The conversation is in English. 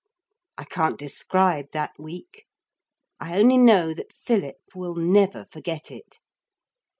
I can't describe that week. I only know that Philip will never forget it.